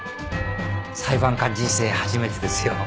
裁判官人生初めてですよ。